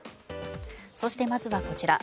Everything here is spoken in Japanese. そして、まずはこちら。